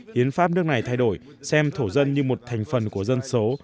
hiến pháp nước này thay đổi xem thổ dân như một thành phần của dân số